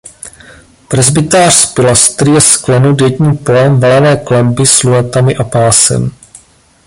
Presbytář s pilastry je sklenut jedním polem valené klenby s lunetami a pásem.